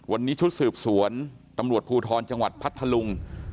วันนี้ชุดสืบสวนตำรวจภูทรจังหวัดพัทธลุง